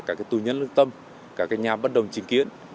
các tù nhân lương tâm các nhà bất đồng trình kiến